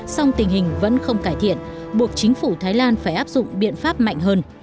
song tình hình vẫn không cải thiện buộc chính phủ thái lan phải áp dụng biện pháp mạnh hơn